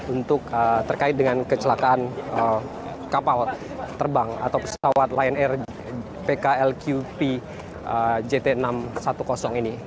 untuk terkait dengan kecelakaan kapal terbang atau pesawat lion air pklqp jt enam ratus sepuluh ini